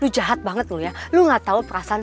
jahat banget lu ya lu gak tau perasaan